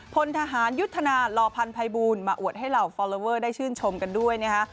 พลทหารยุทธนาลอพันธ์ภัยบูลมาอวดให้เหล่าฟอลลอเวอร์ได้ชื่นชมกันด้วยนะคะ